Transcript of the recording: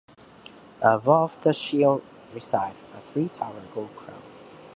Above the shield resides a three tower gold crown.